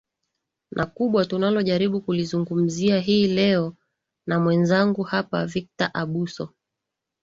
na kubwa tunalojaribu kulizungumzia hii leo na mwenzangu hapa victor abuso